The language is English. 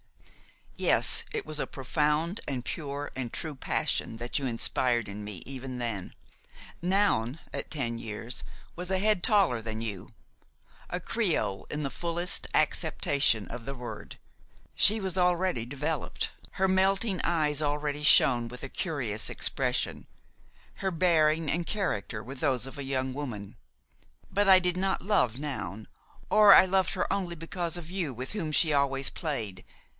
"Yes, it was a profound and pure and true passion that you inspired in me even then. Noun, at ten years, was a head taller than you; a creole in the fullest acceptation of the word, she was already developed. Her melting eyes already shone with a curious expression; her bearing and character were those of a young woman. But I did not love Noun, or I loved her only because of you, with whom she always played.